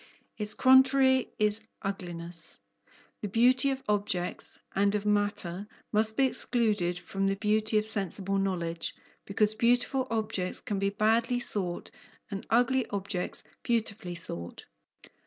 Its contrary is ugliness. The beauty of objects and of matter must be excluded from the beauty of sensible knowledge, because beautiful objects can be badly thought and ugly objects beautifully thought.